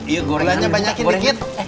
iya gorengnya banyakin dikit